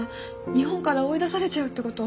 日本から追い出されちゃうってこと？